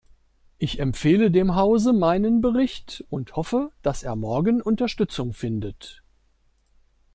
Ich empfehle dem Hause meinen Bericht und hoffe, dass er morgen Unterstützung findet.